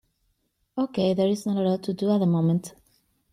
Okay, there is not a lot to do at the moment.